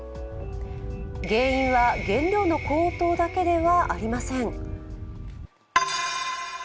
原因は原料の高騰だけではありません。